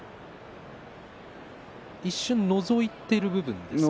一瞬、のぞいている部分ですか。